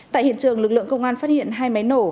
tại hiện trường lực lượng công an phát hiện hai máy nổ